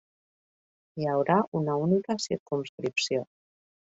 Hi haurà una única circumscripció.